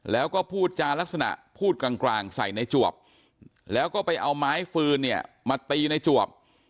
แล้วก็พูดจารักษณะพูดกลางใส่ในจวบแล้วก็ไปเอาไม้ฟืนเนี่ยมาตีในจวบ